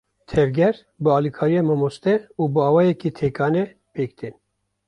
Tevger bi alîkariya mamoste û bi awayekî tekane, pêk tên.